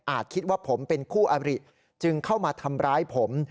คิดว่าผมเป็นคู่อบริจึงเข้ามาทำร้ายผม